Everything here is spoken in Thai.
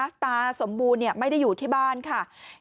คุณตาสมบูรณ์ไม่ได้อยู่ที่บ้านค่ะ